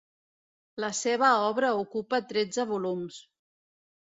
La seva obra ocupa tretze volums.